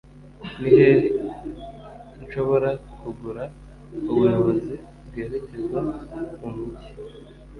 Ni he nshobora kugura ubuyobozi bwerekeza mumujyi?